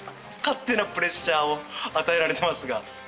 勝手なプレッシャーを与えられてますが。